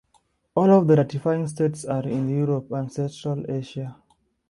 All of the ratifying states are in Europe and Central Asia.